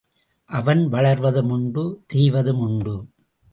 அவன் வளர்வதும் உண்டு தேய்வதும் உண்டு.